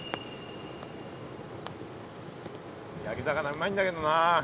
焼き魚うまいんだけどな。